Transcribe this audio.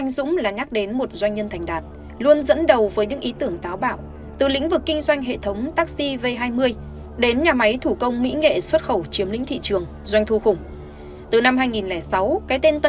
xin chào và hẹn gặp lại